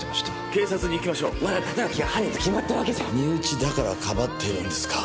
警察に行きましょう立脇が犯人と決まったわけじゃ身内だからかばっているんですか？